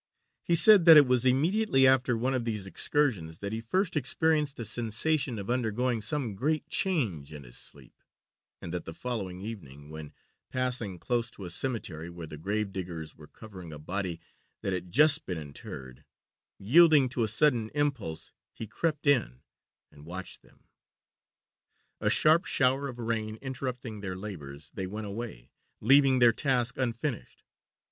He said that it was immediately after one of these excursions that he first experienced the sensation of undergoing some great change in his sleep, and that the following evening, when passing close to a cemetery where the grave diggers were covering a body that had just been interred, yielding to a sudden impulse, he crept in and watched them. A sharp shower of rain interrupting their labours, they went away, leaving their task unfinished.